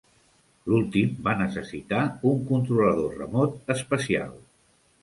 L"últim va necessitar un controlador remot especial.